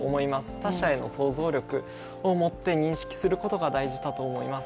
他者への想像力を持って認識することが大事だと思います。